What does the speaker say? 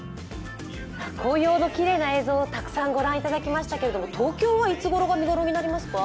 紅葉のきれいな映像をたくさんご覧いただきましたけれども、東京はいつごろが見頃になりますか。